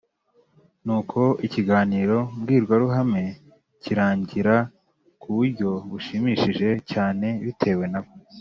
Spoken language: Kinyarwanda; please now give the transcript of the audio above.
nuko ikiganiro mbwirwaruhame kirangira ku buryo bushimishije cyane bitewe n'abo